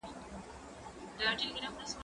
زه بوټونه پاک کړي دي؟!